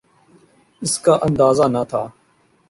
اس کا اندازہ نہ تھا۔